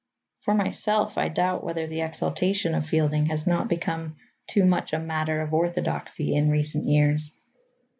For myself, I doubt whether the exaltation of Fielding has not become too much a matter of orthodoxy in recent years.